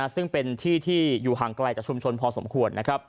ซึ่งเป็นที่ที่อยู่ห่างไกลจากชุมชนพอสมควร